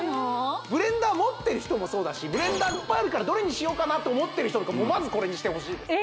ブレンダー持ってる人もそうだしブレンダーいっぱいあるからどれにしようかなと思ってる人とかまずこれにしてほしいです